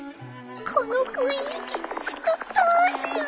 この雰囲気どどうしよう